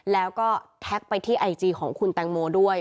แล้วก็แท็กไปที่ไอจีของคุณแตงโมด้วย